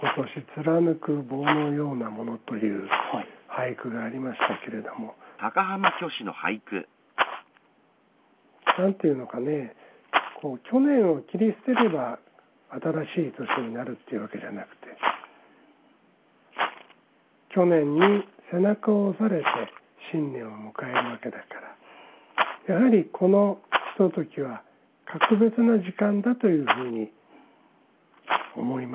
という俳句がありましたけれども何て言うのかねぇ去年を切り捨てれば新しい年になるっていうわけじゃなくて去年に背中を押されて新年を迎えるわけだからやはりこのひとときは格別な時間だというふうに思いますね。